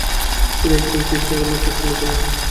তিনি একজন পিপানির্মাতার ছেলে ছিলেন।